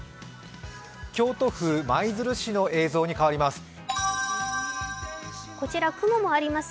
京都府舞鶴市の映像に変わります。